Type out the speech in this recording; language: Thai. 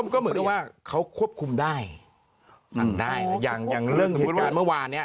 ก็เหมือนกับว่าเขาควบคุมได้อย่างแรกซึ่งแบบเมื่อวานเนี่ย